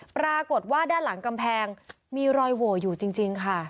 ปรากฏว่าด้านหลังกำแพงมีรอยโหวอยู่จริงค่ะ